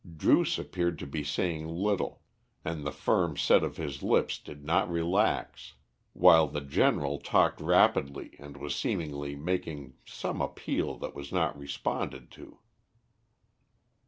Druce appeared to be saying little, and the firm set of his lips did not relax, while the General talked rapidly and was seemingly making some appeal that was not responded to.